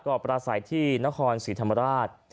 ก็ประสัยที่นครศรีธรรมราช